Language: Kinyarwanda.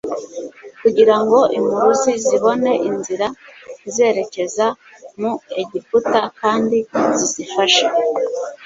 kugira ngo impuruzi zibone inzira izerekeza mu Egiputa kandi zizifashe